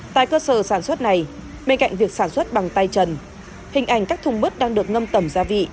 tại cơ sở sản xuất này bên cạnh việc sản xuất bằng tay chân hình ảnh các thùng mứt đang được ngâm tẩm gia vị